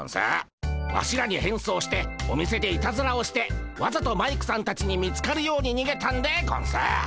ワシらに変装してお店でいたずらをしてわざとマイクさんたちに見つかるようににげたんでゴンス。